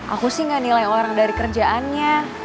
aku sih gak nilai orang dari kerjaannya